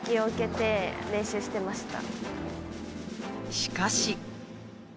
しかし。